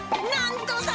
なんと！